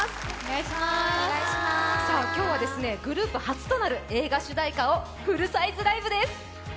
今日はグループ初となる映画主題歌をフルサイズライブです。